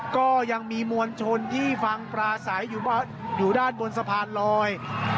ก็ยังมีมวลชนที่ฟังปราศัยอยู่ด้านบนสะพานลอย